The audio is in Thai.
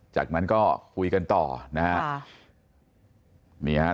จากนั้นก็คุยกันต่อนะฮะ